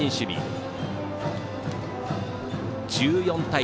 １４対０。